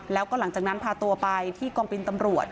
แล้วก็หลังจากนั้นพาตัวไปที่กองบินตำรวจ